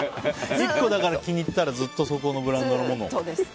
１個気に入ったらずっとそこのブランドのものを。